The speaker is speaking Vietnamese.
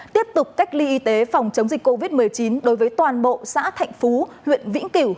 tiếp tục cách ly y tế phòng chống dịch covid một mươi chín đối với toàn bộ xã thạnh phú huyện vĩnh kiểu